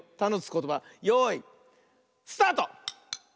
ことばよいスタート！